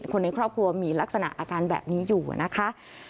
คนในครอบครัวมีลักษณะอาการแบบนี้อยู่นะคะ